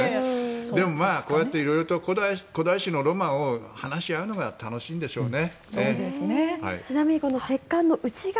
でもこうやって色々と古代史のロマンを話し合うのが楽しいんでしょうね。